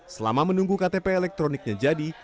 selama menunggu ktp elektroniknya jadi